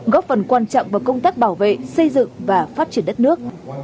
góp phần quan trọng vào công tác bảo vệ xây dựng và phát triển đất nước